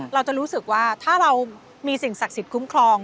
เราจะรู้สึกว่าถ้าเรามีสิ่งศักดิ์สิทธิคุ้มครอง